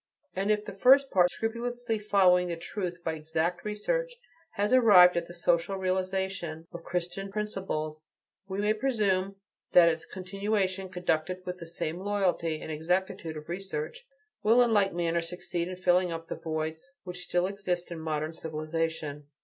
And if the first part, scrupulously following the truth by exact research, has arrived at the social realization of Christian principles, we may presume that its continuation, conducted with the same loyalty and exactitude of research, will in like manner succeed in filling up the voids which still exist in modern civilization.